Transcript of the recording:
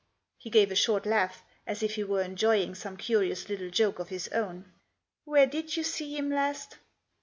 He gave a short laugh, as if he were enjoying some curious little joke of his own. " Where did you see him last